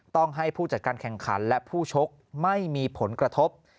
ต้องให้ผู้จัดการแข่งขันและผู้ชกไม่มีผลกระทบ